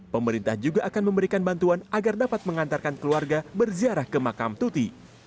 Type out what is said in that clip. pemerintah juga akan memberikan bantuan agar dapat mengantarkan keluarga berziarah ke makam tuti